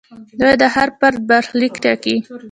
دوی د هر فرد برخلیک ټاکي.